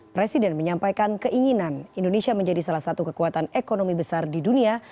presiden menyampaikan keinginan indonesia menjadi salah satu kekuatan ekonomi besar di dunia